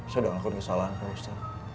saya udah ngelakuin kesalahan pak ustadz